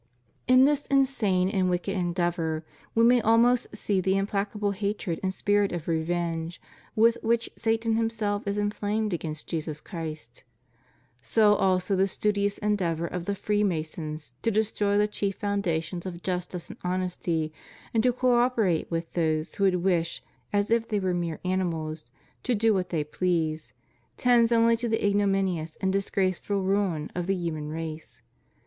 In this insane and wicked endeavor we may almost see the implacable hatred and spirit of revenge with which Satan himself is inflamed against Jesus Christ. — So also the studious endeavor of the Freemasons to destroy the chief foundations of justice and honesty, and to co operate with those who would wish, as if they were mere animals, to do what they please, tends only to the ignominious and disgraceful ruin of the human race.